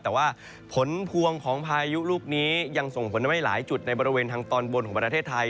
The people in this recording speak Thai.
แต่ว่าผลพวงของพายุลูกนี้ยังส่งผลทำให้หลายจุดในบริเวณทางตอนบนของประเทศไทย